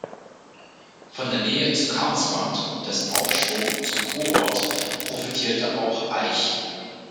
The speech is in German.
Von der Nähe zu Karlsbad und dessen Aufschwung zum Kurort profitierte auch Aich.